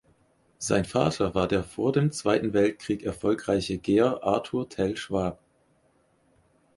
Sein Vater war der vor dem Zweiten Weltkrieg erfolgreiche Geher Arthur Tell Schwab.